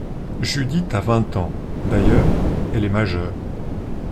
Judith a vingt ans, d’ailleurs, elle est majeure.